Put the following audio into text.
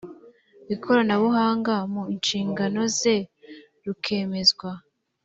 ikoranabuhanga mu nshingano ze rukemezwa